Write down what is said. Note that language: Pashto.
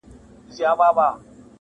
د ښځو او نجونو -